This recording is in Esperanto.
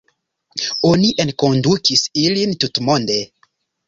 Oni enkondukis ilin tutmonde.